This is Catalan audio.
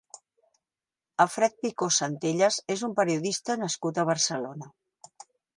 Alfred Picó Sentelles és un periodista nascut a Barcelona.